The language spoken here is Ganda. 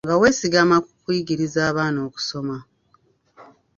Nga weesigama ku kuyigiriza abaana okusoma.